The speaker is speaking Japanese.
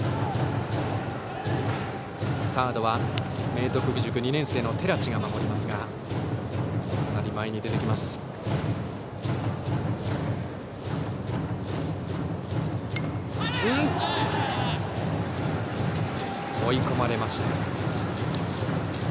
サードは明徳義塾２年生の寺地が守りますがかなり前に出てきています。